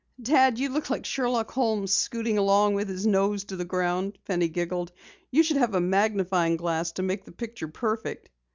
"Dad, you look like Sherlock Holmes scooting along with his nose to the ground!" Penny giggled. "You should have a magnifying glass to make the picture perfect."